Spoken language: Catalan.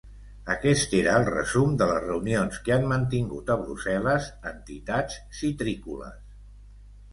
Aquest era el resum de les reunions que han mantingut a Brussel·les entitats citrícoles.